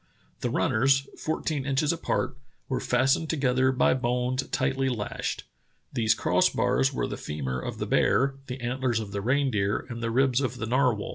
"The runners, fourteen inches apart, were fastened together by bones tightly lashed. These cross bars were the femur of the bear, the antlers of the reindeer, and the ribs of the narwhal.